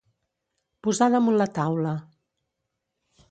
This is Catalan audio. Posar damunt la taula.